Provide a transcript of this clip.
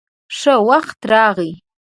_ښه وخت راغلې.